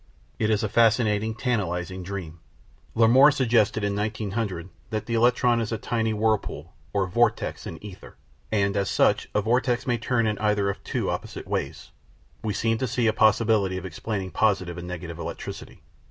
It is a fascinating, tantalising dream. Larmor suggested in 1900 that the electron is a tiny whirlpool, or "vortex," in ether; and, as such a vortex may turn in either of two opposite ways, we seem to see a possibility of explaining positive and negative electricity.